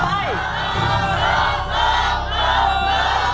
ถูก